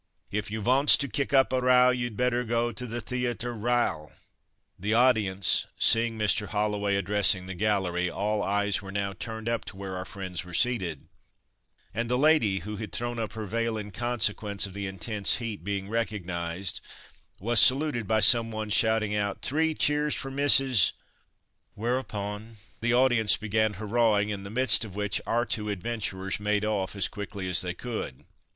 If you vants to kick up a row you'd better go the The a ter R'yal." The audience seeing Mr. Holloway addressing the gallery, all eyes were now turned up to where our friends were seated, and the lady, (who had thrown up her veil in consequence of the intense heat) being recognised, was saluted by some one shouting out "Three cheers for Mrs. ," whereupon the audience began hurrahing, in the midst of which our two adventurers made off as quickly as they could.